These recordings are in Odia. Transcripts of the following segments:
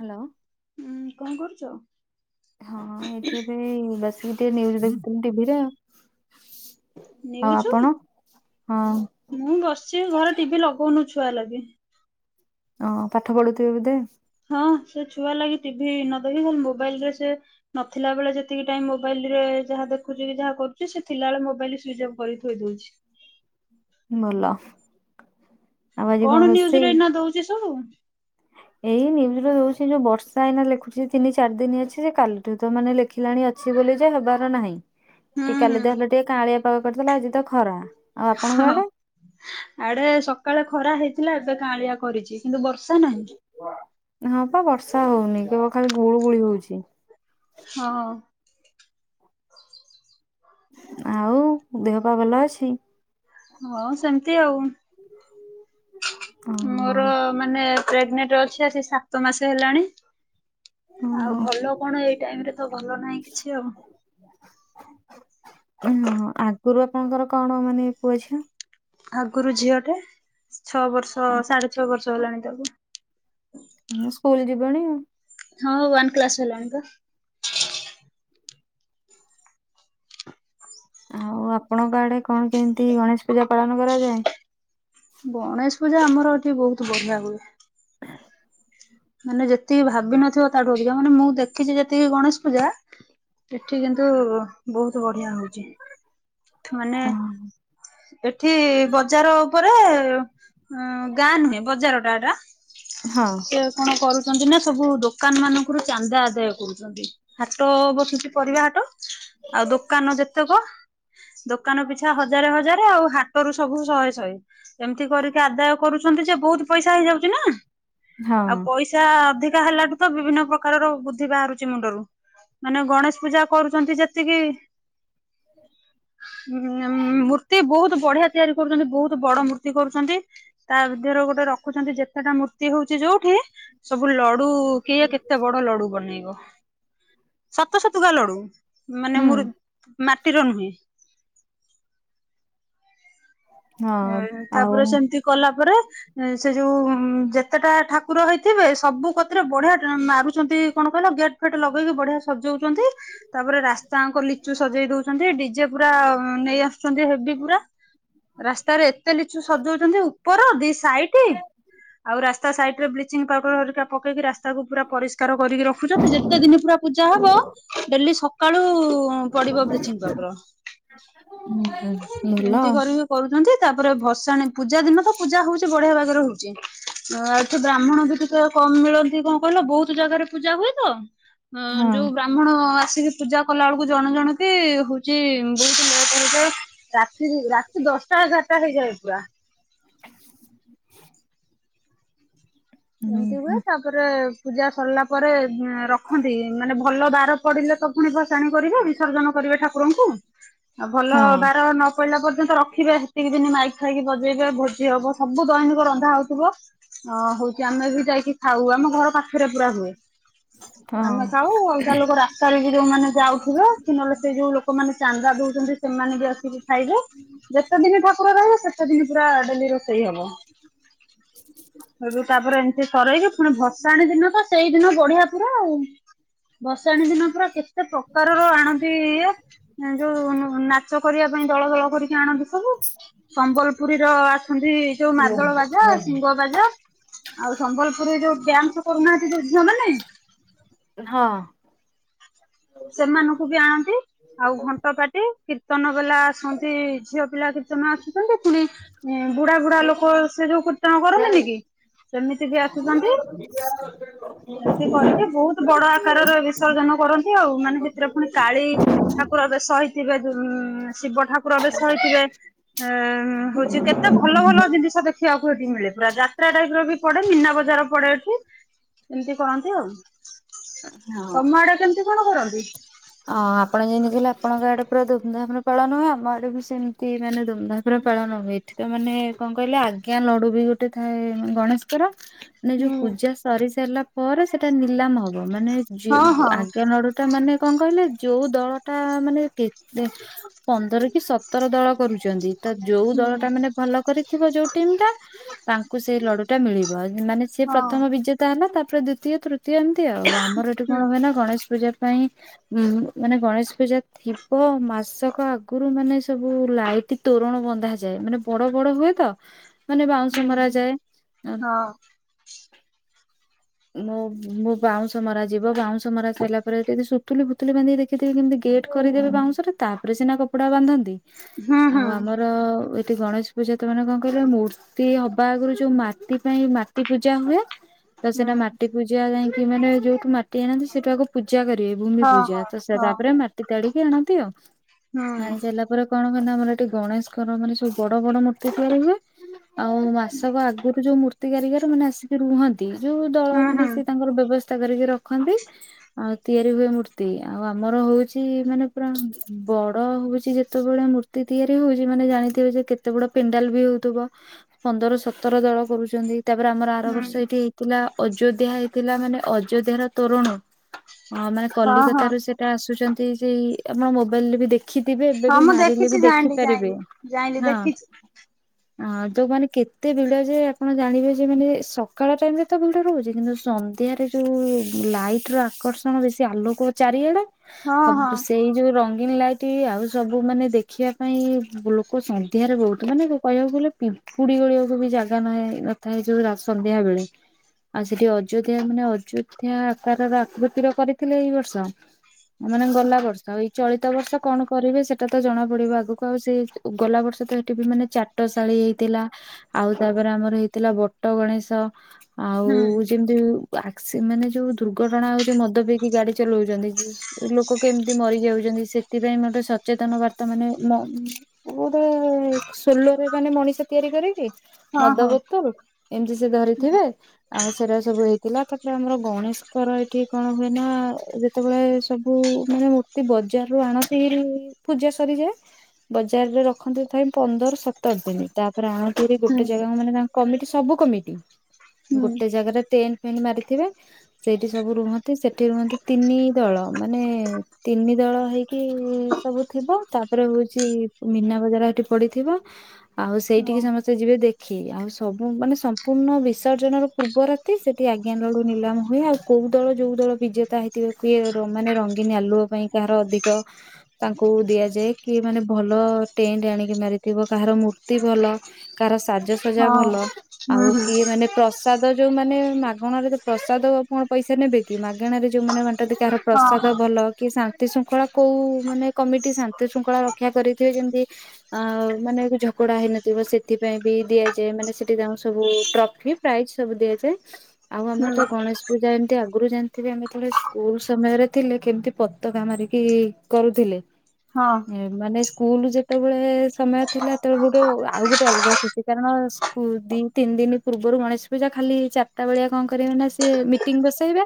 ହାଲୋ। ଉଁ କଣ କରୁଛ? ହଁ ଏଠି ଏବେ ବ ସେ ଟଜ ଦେଖଥିଲ ଟିଭିରେ ଆ ନଉଛୁ ମୁଁ ବସିଛି ଘରେ ଟିଭି ଲଗଉନଛୁ। ଛୁଆ ଲାଗି। ଓ ପାଠ ପଢୁଥିବେ ବୋଧେ। ହଁ ସେ ଛୁଆ ଲାଗି ଟିଭି ନ ଦେଖିଲେ ମୋବାଇଲ ରେ ସେ ନଥିଲା ବେଳେ ଯେତିକି ଟାଇମ ମୋବାଇଲରେ ଯାହା ଦେଖୁଛି ଯାହା କରୁଛି ସେ ଥିଲାବେଳେ ମୋବାଇଲ ସୁଇଚ ଅଫ୍ କରି ଥୋଇ ଦଉଛି। ଭଲ। ଆଉ ଆଜି କଣ ନିୁଜ ରୋଷେଇ? ରେ ଏଇନା ଦଉଛି। ଶୁ ଏଇ ନ୍ୟୁଜୁ ରୁ ଦଉଛି ଯୋଉ ବର୍ଷା ଏଇନା ଲେଖୁଛି ତିନି ଚାରି ଦିନ ଅଛି ସେ କାଲିଠୁ ତ ମାନେ ଲେଖିଲାଣି ଅଛି ବୋଲି ଯେ ହେବାର ନାହିଁ। ଟିକେ ହୁଁ କାଲି ଦଦେହଟା ଟିକେ କାଁଳିଆ ପାଗ କରିଦେଲା ଆଜି ତ ଖରା ଆଉ ଆପଣଙ୍କ ହଁ ଆଡେ? ଆଡେ ସକାଳେ ଖରା ହେଇ ଥିଲା ଏବେ କାଳିଆ କରିଛି। କିନ୍ତୁ ବର୍ଷା ନାହିଁ। ହଁ ପା ବର୍ଷା ହଉନି କେବଳ ଖାଲି ଗୁଳୁ ଗୁଳି ହଉଛି। ହଁ। ଆଉ ଦେହ ପା ଭଲ ଅଛି। ହଁ ସେମିତି ଆଉ ଓହୋ ମୋର ମାନେ ପ୍ରେଗନେଣ୍ଟ ଅଛି ଆଜି ସା ସତ ମାସ ହେଲାଣି ଆଉ ଓହୋ ଭଲ କଣ ଏଇ ଟାଇମ ରେ ତ ଭଲ ନାହିଁ କିଛି ଆଉ। ଓ ହଁ ଆ। ଗୁରୁ ଆପଣଙ୍କର କଣ ମାନେ ପୁଅ ଝିଅ ଆଗରୁ ଝିଅ ଟେ ଛଅ ବର୍ଷ ସାଢେ ଛଅ ବର୍ଷ। ସଇଲାନି ତ ସ୍କୁଲ ଯିବ ନଣି ହଁ ୱାନ୍ କ୍ଲାସ ହେଲାଣି ତ [inaudible] ଆଉ ଆପଣଙ୍କ ଆଡେ କଣ କେମିତି ଗଣେଶ ପୂଜା ପାଳନ କରାଯାଏ। ଗଣେଶ ପୂଜା ଆମର ଏଠି ବହୁତ ବଢିଆ ହୁଏ। ମାନେ ଯେତିକି ଭାବିିନଥିବ ତାଠୁ ଅଧିକା ମାନେ ମୁଁ ଦେଖିଛି ଯେତିକି ଗଣେଶ ପୂଜା ସେଠି କିନ୍ତୁ ବହୁତ ବଢିଆ ହଉଛି ମାନେ ହଁ ଏଠି ବଜାର ଉପରେ ଗାଁ ନୁହେଁ ବଜାର ଟା ଏଟା ହଁ ସେ କରୁଛନ୍ତି ନା ସବୁ ଦୋକାନ ମାନଙ୍କରୁ ଚାନ୍ଦା ଆଦାୟ କରୁଛନ୍ତି। ହାଟ ବସୁଛି ପରିବା ହାଟ ଆଉ ଦୋକାନ ଯେତେକ ଦୋକାନ ପିଛା ହଜାରେ ହଜାର ଆଉ ହାଟରୁ ସବୁ ଶହେ ଶହେ ଏମିତି କରିକି ଆଦାୟ କରୁଛନ୍ତି। ଯେ ବହୁତ ପଇସା ହେଇଯାଉଛି ନା ହଁ ଆଉ ପଇସା ଅଧିକ ଶା ହେଲାଠୁ ତ ବିଭିନ୍ନ ପ୍ରକାରର ବୁଦ୍ଧି ବାହାରୁଛି ମୁଣ୍ଡରୁ ମାନେ ଗଣେଶ ପୂଜା କରୁଛନ୍ତି ଯେତିକି [inaudible] ମୂର୍ତ୍ତି ବହୁତ ବଢିଆ ତିଆରି କରୁଛନ୍ତି ବହୁତ ବଡ ମୂର୍ତ୍ତି କରୁଛନ୍ତି। ତା ଦିହରୁ ଗୋଟେ ରଖୁଛନ୍ତି ଯେତେଟା ମୂର୍ତ୍ତି ହଉଛି ଯୋଉ ହଁ। ସବୁ ଲଡୁ କିଏ କେତେ ବଡ ଲଡୁ ବନେଇବ। ସତ ସତୁକା ଲଡୁ ମାନେ ହୁଁ ମୋର ମାଟିର ନୁହେଁ ହଁ ହ ଆଉ ତାପରେ ସେମିତି କଲା ପରେ ସେ ଯୋଉ ଯେତେଟା ଠାକୁର ହେଇଥିବେ ସବୁ କତିରେ ବଢିଆ ମାରୁଛନ୍ତି। କଣ କହିଲ ଗେଟ ଫେଟ ଲଗେଇକି ବଢିଆ ସଜଉଛନ୍ତି। ତାପରେ ରାସ୍ତାଙ୍କ ଲିଚୁ ସଜେଇ ଦଉଛନ୍ତି ଡିଜେ ପୁରା ନେଇ ଆସୁଛନ୍ତି ହେଭି ପୁରା। ରାସ୍ତରେ ଏତେ ଲିଚୁ ସଜୁଉ ଉପର ଦି ସାଇଟ ଆଉ ରାସ୍ତା ସାଇଡ ରେ ବ୍ଲିଚିଂ ପାଉଡର ହରିକା ପକେଇକି ରାସ୍ ତାକୁ ପୁରା ପରିଷ୍କାର କରିକି ରଖୁଛ ଯେତେ ଦିନ ପୁରା ପୂଜା ହବ ଡେଲି ସକାଳୁ ପଡିବ ବ୍ଲିଚିଂ ପାର ହଁ ହଲ। କରୁଛନ୍ତି ତାପରେ ଭସାଣୀ ପୂଜା ଦିନ ତ ପୂଜା ହଉଛି ବଢିଆ ଭାଗରେ ହଉଛି ଆଉ ଏଠି ବ୍ରାହ୍ମଣ ବି ଟ କମ ମିଳନ୍ତି କଣ କହିଲ ବହୁତ ଜାଗାରେ ପୂଜା ହୁଏ ତ ଅ ହଁ ଯୋଉ ବ୍ରାହ୍ମଣ ି ପୂଜା କଲା ବେଳକୁ ଜଣ ଜଣତି ହଉଛି ବହୁତ ଲେଟ ହେଇଥାଏ। ରାତି ରାତି ଦଶଟା ଏଗାରଟା ହେଇଯାଏ ପୁରା [inaudible] ହୁଁ ଏମିତି ହୁଏ ହୁଁ, ତାପରେ ପୂଜା ସରିଲା ପରେ ରଖନ୍ତି ମାନେ ଭଲ ବାର ପଡିଲେ ତ ପୁଣି ବ ାଣି କରିବେ ବିସର୍ଜନ କରିବେ ଠାକୁରଙ୍କୁ [inaudible] ଆଉ ଭଲ ହଁ ବାର ନ ପହିଲା ପର୍ଯ୍ୟନ୍ତ ରଖିବେ ସେତିକି ଦିନ ମାଇକ ଖାଇକି ବଜେଇବେ ଭୋଜି ହବ ସବୁ ଦୈନିକ ରନ୍ଧା ହଉଥିବ ଅ ହଉ ଆମେ ବି ଯାଇକି ଖାଉ ଆମ ଘର ପାଖରେ ପୁରା ହୁଏ। ହଁ। ଆମେ ଖାଉ ଅଲଗା ଲୋକ ରାସ୍ତାରେ ବି ଯୋଉମାନୋନ ଯାଉଥିବ କି ନହେଲେ ସେ ଯୋଉ ଲୋକମାନେ ଚାନ୍ଦା ଦଉଛନ୍ତି ସେମାନେ ବି ଆସିକି ଖାଇବେ ଯେତେ ଦିନ ଠାକୁର ରହିବେ ସେତେ ଦିନ ପୁରା ଡେଲି ରୋଷେଇ ହବ। [unintelligible] ତାପରେ ଏମିତି ସରାଇକି ପୁଣି ଭସାଣଣି ଦିନ ତ ସେଇଦିନ ବଢିଆ ପୁରା ଆଉ। ବର୍ଷାଣୀ ଦିନ ପୁରା କେତେ ପ୍ରକାରର ଆଣନ୍ତି ଇଏ ଯୋଉ ନାଚ କରିବା ପାଇଁ ଦଳ ଦଳ କରିକି ଆଣନ୍ତି ସବୁ ସମ୍ବଲପୁରୀର ଆସନ୍ତି ଯୋଉ ମାଦଳ ବାଜା ସିଂହ ବାଜା। ଆଉ ସମ୍ବଲପୁରରେ ଯୋଉ ଡ୍ୟାନ୍ସ କରୁନାହାନ୍ତି ଯୋଉ ଝିଅମାନେ ହଁ। ସେମାନଙ୍କୁ ବି ଆଣନ୍ତି ଆଉ ଘଣ୍ଟ ପାଟି କୀ ତନ ବାଲା ଆସନ୍ତି ଝିଅ ପିଲା କୀ ଆସୁଛନ୍ତି ପୁଣି ବୁଢା ବୁଢା ଲୋକ ସେ ଯୋଉ କୀର୍ତ୍ତନ କରନ୍ତିନି କି [unintelligible] ସେମିତି ବି ଆସୁଛନ୍ତି ହଁ। ଏମିତି କରିକି ବହୁତ ବଡ ଆକାରରେ ବିସର୍ଜନ କରନ୍ ଉ ମାନେ ସେଥିରେ ପୁଣି କାଳି ଠାକୁର ଏବେ ସହିଥିବେ ଶିବ ଠାକୁର ଏବେ ସହିଥିବେ ହଉଛି କେତେ ଭଲ ଭଲ ଜିନିଷ ଦେଖିବାକୁ ଏଠି ମିଳେ ପୁରା ଯାତ୍ରାଟା ବି ପଡେ ମିନା ବଜାର ପଡେ ଏଠି ଏମିତି କରନ୍ତି ଆଉ। ତମଆଡ଼େ କେମିତି କଣ କରନ୍ତି? ହଁ ଆପଣ ଯେମିତି କହିଲେ ଆପଣଙ୍କ ଆଡେ ପୁରା ଧୁମଧାମରେ ପାଳନ ହୁଏ। ଆମ ଆଡେ ବି ସେମିତି ମାନେ ଧୁମଧାମରେ ପାଳନ ହୁଏ। ଏଠି ତ ମାନେ କଣ କହିଲେ ଆଜ୍ଞା ଲଡୁ ବି ଗୋଟେ ଥାଏ ଗଣେଶଙ୍କର ମାନେ ଯୋଉ ହୁଁ ପୂଜା ସରି ସାରିଲା ପରେ ସେଟା ନିଲାମ ହବ। ମାନେ ଯ ହଁ ହଁ ଆଜ୍ଞା ନଡୁ ଟା ମାନେ କଣ କହିଲେ ଯୋଉ ଦଳଟା ମାନେ କେତେ ପନ୍ଦର କି ସତର ଦଳ କରୁଛନ୍ତି। ତ ଯୋଉ ହୁଁ ଦଳ ଟା ମାନେ ଭଲ କରିଥିବ ଯୋଉ ଟିମ ଟା ତାଙ୍କୁ ସେଇ ଲଡୁ ଟା ମିଳିବ ମାନେ ସିଏ ହଁ ପ୍ରଥମ ବିଜେତା ହେଲା ତା ତାପରେ ଦ୍ୱିତୀୟ ତୃତ୍ ତୀୟ ଏମତି ଆଉ ଆମର ଏଠି ହୁଁ କଣ ହୁଏ ନା ଗଣେଶ ପୂଜା ପାଇଁ ଉଁ ମାନେ ଗଣେଶ ପୂଜା ଥିବ ମାସକ ଆଗରୁ ମାନେ ସବୁ ଲାଇଟ୍ ତୋରଣ ବନ୍ଧାଯାଏ ମାନେ ବଡ ବଡ ହୁଏ ତ ମାନେ ବାଉଁଶ ହୁଁ ମରା ହୁଁ। ଯାଏ ଆ ହଁ ମୁଁ ମୋ ବାଉଁଶ ମରା ଯିବ ବାଉଁଶ ମରା ସଇଲା ପରେ ସେଠୀ ସବୁ। [unintelligible] ସୁତୁଲି ଫୁତୁଲି ବାନ୍ଧି ଦେଖିଥିବି କେମତି ଗେଟ୍ କରିଦେବେ ବାଉଁଶରେ ତାପରେ ସିନା କପଡ଼ା ବାନ୍ଧନ୍ତି। ହୁଁ ଆଉ ହୁଁ ଆମର ଏଠି ଗଣେଶ ପୂଜା ତାମାନେ କଣ କହିବ ମୂର୍ତ୍ତି ହବା ଆଗରୁ ଯୋଉ ମାଟି ପାଇଁ ମାଟି ପୂଜା ହୁଏ ତ ହୁଁ ସେଇଟା ମାଟି ପୂଜା ଯାଇ କି ମାନେ ଯୋଉଠୁ ମାଟି ଆଣନ୍ତି ସେଠୁ ଆଗକୁ ପୂଜା କରିବେ। ଭୂମି ହଁ ପୂଜା ହଁ ତ ସେ ହଁ ତାପରେ ମାଟି ତାଡି କି ଆଣନ୍ତି ଆଉ। ହୁଁ ଖାଇସାରିଲା ପରେ କଣ ମାନେ ଆମର ଏଠି ଗଣେଶଙ୍କର ମାନେ ସବୁ ବଡ ବଡ ମୂର୍ତ୍ତି ତିଆରି ହୁଏ ଆଉ ମାସକ ଆଗରୁ ଯୋଉ ମୂର୍ତ୍ତି କାରିଗର ମାନେ ଆସିକି ରୁହନ୍ତି ନ୍ତି, ଯୋଉ ଦଳ ହୁଁ ମାନେ ହୁଁ ସେ ତାଙ୍କର ବ୍ୟବସ୍ ତା କରିକି ରଖନ୍ତି ଆଉ ତିଆରି ଦେଵୀ ମୂର୍ତ୍ତି ଆଉ ଆମର ହଉଛି ମାନେ ପୁରା ବଡ ହଉଛି ଯେତେବେଳେ ମୂର୍ତ୍ତି ତିଆରି ହଉଛି ମାନେ ଯାଣିଥିଵେ ଯେ କେତେ ବଡ ପେଣ୍ଡାଲ ବି ହଉଥିବ ପନ୍ଦର, ସତର ଦଳ କରୁଚନ୍ତି। ତାପରେ ଆମର ଆର ହୁଁ ବର୍ଷ ଏଇଠି ହେଇଥିଲା ଅଯୋଧ୍ୟା ହେଇଥିଲା ମାନେ ଅଯୋଧ୍ୟ ର ତୋରଣ ହଁ ମାନେ ହଁ ହଁ କଲିକତା ରୁ ସେଟା ଆସୁଛନ୍ତି ଏଇ ସେଇ ଆପଣ ମୋବାଇଲ ରେ ବି ଦେ ହଁ ମୁଁ ଦେଖିଛି ଜାଣିଲି ଜାଇଲିି ଜାଇନି ଦେଖିଛି। ଆ ଯୋଉ ମାନେ କେତେ ଭିଡ ଯେ ଆପଣ ଜାଣିବେ ଯେ ମାନେ ସକାଳ ଟାଇମ ରେ ତ ଭିଡ ରହୁଛି କିନ୍ତୁ ସନ୍ଧ୍ୟାରେ ଯୋଉ ଲାଇଟ ର ଆକର୍ଷଣ କଣ ବେଶୀ ଆଲୋକ ଚାରିଆଡ ହଁ ହଁ। ହବ ସେଇ ଯୋଉ ରଙ୍ଗ ଗ୍ରିନ ଲାଇଟ୍ ଆଉ ସବୁ ମାନେ ଦେଖିବା ପାଇଁ ଲୋକ ସନ୍ଧ୍ୟାରେ ବହୁତ ମାନେ କହିବାକୁ ଗଲେ ପିମ୍ପୁଡି ଗଳିବାକୁ ବି ଜାଗା ନ ନଥାଏ ଯୋଉ ସନ୍ଧ୍ୟା ବେଳେ, ଆଉ ସେଠି ଅଯୋଧ୍ୟା ମାନେ ଅଯୋଧ୍ୟା ଆକାର ଆକୃତିର କରିଥିଲେ ଏଇ ବର୍ଷ। ଏମାନେ ହୁଁ ଗଲା ବର୍ଷ ଏଇ ଚଳିିତ ଗତ ବର୍ଷ କଣ କରିବେ ସେଟା ତ ଜଣା ପଡିବ ଆଗକୁ ଆଉ ସେଇ ଗଲା ବର୍ଷ ତ ସେଠି ବି ମାନେ ଚାଟଶାଳୀ ହେଇଥିଲା ଆଉ ତାପରେ ଆମର ହେଇଥିଲା ବଟ ଗଣେଶ। ଆଉ ହୁଁ ଯେମିତି ଆସ୍କି ମାନେ ଯୋଉ ଦୁର୍ଘଟଣା ହଉଛି ମଦ ମଦ ପିକି ଗାଡି ଚଲାଉଛନ୍ତି ଲୋକ କେମିତି ମରିଯାଉଛନ୍ତି ସେଥିପାଇଁ ଗୋଟେ ସଚେତନ ବାର୍ତ୍ତା ମାନେ ମୋ ବହୁତ୍ ସୋଲୋରେ ମାନେ ମଣିଷ ତିଆରି କରିକି ହଁ ମଦ ହଁ ବୋତଲ ଏମିତି ସେ ଧରିଥିବେ ଆଉ ସେଟା ସବୁ ହେଇ ଥିଲା, ତାପରେ ଆମର ଗଣେଶଙ୍କର ଏଇଠି କଣ ହୁଏ ନା ଯେତେବେଳେ ସବୁ ମାନେ ମୂର୍ତ୍ତି ବଜାର ରୁ ଆଣନ୍ତି ପୂଜା ସରିଯାଏ ବଜାରରେ ରଖନ୍ତିପାଇ ପନ୍ଦର ସତର ଦିନ ତା ରାହାନ୍ତ ଆଉ ହୁଁ ଗୋଟେ ଜାଗା ମାନେ ତାଙ୍କ କମିଟି ସବୁ କମିଟି। ହୁଁ। ଗୋଟେ ଜାଗାରେ ଟେଣ୍ଡ। ଫେଣ୍ଟ ମାରିଥିବେ ସେଇଠି ସବୁ ରୁହନ୍ତି। ନ୍ତି ସେଠି ରୁହନ୍ତି ତିନି ଦଳ ମାନେ ତିନି ଦଳ ହେଇକି ସବୁ ଥିବ ତାପରେ ହଉଛି ମୀନା ବଜାର ସେଠି ପଡିଥିବ। ଆଉ ହଁ ସେଇଠିକି ସମସ୍ତେ ଯିବେ ଦେଖ। ଆଖି ଆଉ ସବୁ ମାନେ ସମ୍ପୂର୍ଣ୍ଣ ବିସର୍ଜନର ପୂର୍ବ ରାତି ସେଠି ଆଜ୍ଞା ଲଡୁ ନିଲାମ ହୁଏ ଆଉ କୋଉ ଦଳ ଯୋଉ। ଦଳ ବିଜେତା ହେଇଥିବ କିଏ ମାନେ ରଙ୍ଗୀନ ଆଲୁଅ ପାଇଁ କାହାର ଅଧିକ ତାଙ୍କୁ ଦିଆଯାଏ କିଏ ମାନେ ଭଲ ଟେଣ୍ଡ ଆଣିକି ମାରିଥିବ କାହାର ମୂର୍ତ୍ତି ଭଲ କାହାର। ସାଜସଜା ହଁ ଭଲ ହୁଁ ଆଉ ହୁଁ କିଏ ମାନେ ପ୍ରଶ ପ୍ରସାଦ ଯୋଉ ମାନେ ମାଗଣାରେ ତ ପ୍ରସାଦ କଣ ପଇସା ନେବେ। କି ମାଗଣାରେ ଯୋଉମାନେ ବାଣ୍ଟ। ନ୍ତି କାହାର ହଁ ପ୍ରସାଦ ହଁ ଭଲ କି ସା ଶାନ୍ତି ଶୃଙ୍ଖଳା କୋଉ ମାନେ କମିଟି ଶାନ୍ତି ଶୃଙ୍ଖଳା ରକ୍ଷା କରିଥିବେ ଯେମିତି ଆଉ ମାନେ ଝଗଡା ହେଇନଥିବ ସେଥିପାଇଁ ବି ଦିଆଯାଏ ମାନେ ସେଠି ସବୁ ଟ୍ରଫି ପ୍ରାଇଜ ସବୁ ଦିଆଯାଏ। ଆଉ ଆମର ହୁଁ ତ ଗଣେଶ ପୂଜା ଏମତି। ଆଗୁରୁ ଜାଣିଥିବେ ଆମେ ଯେତେବେଳେ ସ୍କୁଲ ସମୟରେ ଥିଲେ କେମିତି ପତାକା ମାରିକି କରୁଥିଲେ। ହଁ। ମାନେ ସ୍କୁ ସ୍କୁଲୁ ଯେତେବେଳେ ସମୟ ଥିଲା ସେତେବେଳେ ଗୋଟେ ଆଉ ଗୋଟେ ଅଲଗା ଖୁସି କାରଣ ଦି ତିନି ଦିନ ପୂର୍ବରୁ ଗଣେଶ ପୂଜା ଖାଲି ଚାରିଟା ବେଳିଆ କଣ କରିବେ ନା ସିଏ ମିଟିଂ ବସେଇବେ।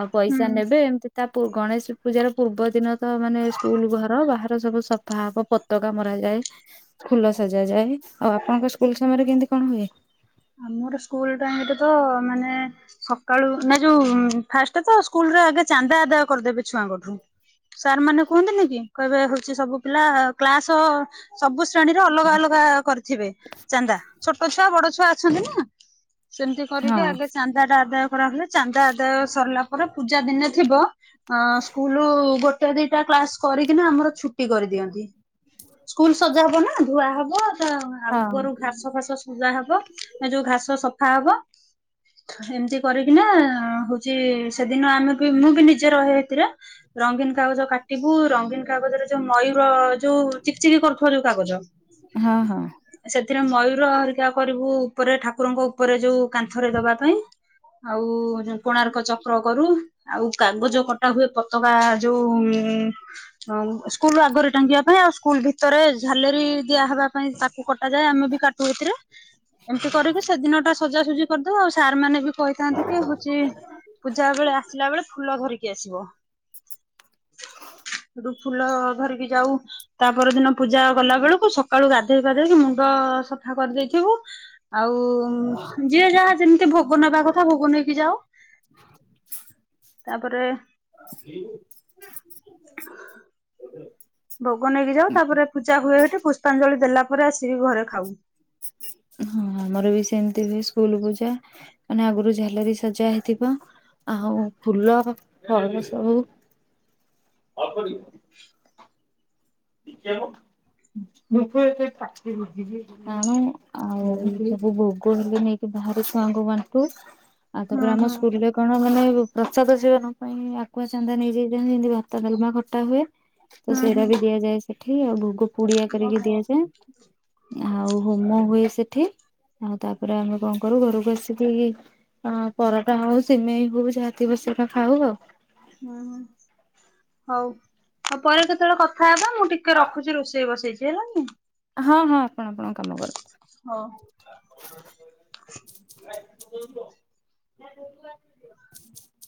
ଆଉ ପଇସା ହୁଁ ନେବେ ଏମତି ତା ପୁ ଗଣେଶ ପୂଜାର ପୂର୍ବ ଦିନ ତ ମାନେ ସ୍କୁଲ ଘର ବାହାର ସବୁ ସଫା ହବ ପତକା ମରା ଯାଏ ଫୁଲ ସଜା ଯାଏ ଆଉ ଆପଣଙ୍କ ସ୍କୁଲ ସମୟରେ କେମିତି କଣ ହୁଏ। ମୋର ସ୍କୁଲ ଟାଇମରେ ତ ମାନେ ସକାଳୁ ନା ଯୋଉ ଫାଷ୍ଟ ତ ସ୍କୁଲରେ ଆଗେ ଚାନ୍ଦା ଆଦାୟ କରିଦେବେ ଛୁଆଙ୍କଠୁ ସାର୍ ମାନେ କୁହନ୍ତିନି କି କହିବେ ହଉ। ସବୁ ପିଲା କ୍ଲାସ ସବୁ। ଶ୍ରେଣୀରେ ଅଲଗା ହଁ ଅଲଗା କରିଥିବେ ଚାନ୍ଦା। ଛୋଟ ଛୁଆ ବଡ ଛୁଆ ଅଛନ୍ତି ନା। ସେମିତି ହଁ କରିକି ଆଗେ ଚାନ୍ଦା ଟା ଆଦାୟ। କରା ହୁଏ ଚାନ୍ଦା ଆଦ ସରିଲା। ପରେ ପୂଜା ଦିନେ ଥିବ ହଁ ସ୍କୁଲ ଗୋଟ ଦୁଇଟା କ୍ଲାସ୍ କରିକିନାଁ ଆମର ଛୁ ଛୁଟି କରିଦିଅନ୍ତି ସ୍କୁଲ ସଜା ହବ ନା। ଧୁଆ ହବ। ଆଗରୁ ଘାସ ଫାସ ସଜା ହବ ଯୋଉ ଘାସ। ସଫା ହବ ଏମିତି କରିକି ନା ହଉଛି ସେଦିନ ଆମେ ବି ମୁଁ ବି ନିଜେ ରହେ ସେଥିରେ। ରଙ୍ଗୀନ କାଗଜ କାଟିବୁ ରଙ୍ଗୀନ କାଗଜରେ ଯୋଉ ମୟୂର ଯୋଉ ଚିକଚିକି କରୁଥିବା ଯୋଉ କାଗଜ ହଁ ହଁ ସେଥି ମୟୂର ହରିକା କରିବୁ ଉପରେ ଠାକୁର କୁରଙ୍କ ଉପରେ ଯୋଉ କାନ୍ଥରେ ଦବା ପାଇଁ ଆଉ କୋଣାର୍କ ଚକ୍ର କରୁ ଆଉ କାଗଜ କଟା ହୁଏ ପତକା ଯୋଉ ସ୍କୁଲ ଆଗରେ ଟାଙ୍ଗିବା ପାଇଁ ଆ ସ୍କୁଲ ଭିତରେ ଝାଲେରି ଦିଆ ହେବା ପାଇଁ ତା କୁ କଟା ଯାଏ ଆମେ ବି କାଟୁ ଏଥିରେ ଏମିତି କରିକି ସଜାସଜି କରିଦେଉ ଆଉ ସାର୍ ମାନେ ଭି କହିଥାନ୍ତି କି ହୋଉଛି ପୂଜା ବେଳେ ଆସିଲା ବେଳେ ଫୁଲ ଧରିକି ଆସିବ ସେଠୁ ଫୁଲ ଧରିକି ଯାଉ ତାପର ଦିନ ପୂଜା କଲା ବେଳକୁ ସକାଳୁ ଗାଧେଇ ପାଧେଇକି ମୁଣ୍ଡ ସଫା କରିଦେଇଥିବୁ ଆଉ ହ ଯିଏ ଯାହା ଯେମିତି ଭୋଗ ନବା କଥା ଭୋଗ ନେଇକି ଯାଉ। ତାପରେ [inaudible] ଭୋଗ ନେଇକି ଯାଉ ତାପରେ ପୂଜା ହୁଏ ହେଟି ପୁଷ୍ପାଞ୍ଜଳି ଦେଲା ପରେ ଆସିକି ଘରେ ଖାଉ। ହଁ ଆମର ବି ସେମିତି ହୁଏ ସ୍କୁଲ ପୂଜା ମାନେ ଆଗରୁ ଝାଲେରି ସଜା ହେଇଥିବ ଆଉ ଫୁଲ ଫଳ ସବୁ [inaudible] ଆଣୁ ଆଉ ସବୁ ଭୋଗ ହେଲେ ନେଇକି ବାହାରେ ଛୁଆଙ୍କୁ ବାଣ୍ଟୁ। ଆଉ ହୁଁ ତାପରେ ଆମ ହୁଁ ସ୍କୁଲରେ କଣ ମାନେ ପ୍ରସାଦ ସେବନ ପାଇଁ ଆକୁୁଆ ଚାନ୍ଦା ନେଇଯାଇଥାନ୍ତି ଏମିତି ଭାତ ବେଲମା ଖଟା ହୁଏ। ତ ହୁଁ ହୁଁ ସେରା ବି ସେଠି ଆଉ ଭୋଗ ପୁଡିଆ କରିକି ଓହୋ ଦିଆଯାଏ ଆଉ ହୋମ ହୁଏ ସେ ଠି ଆଉ ତାପରେ ଆମେ କଣ କରୁ ଘରକୁ ଆସିକି ଅଁ ପରଟା ହୋଉ ସିମେଇ ହୋଉ ଯାହା ଥିବ ସେରା ଖାଉ ଆଉ। ହୋଉ ଆଉ ପରେ କେତେବେଳେ କଥା ହେବା ମୁଁ ଟିକେ ରଖୁଛି ରୋଷେଇ ବସେଇଛି। ଟେଲଣିି। ହଁ ହଁ। କଣ ଆପଣ କାମ କରନ୍ତି? ହଉ। [inaudible]